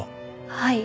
はい。